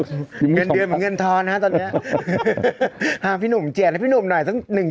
นะครับผมเงินคลิปเงินทอดค่ะตอนเนี้ยพี่นุ่มเจอกือพี่นุ่มหน่อยสักหนึ่ง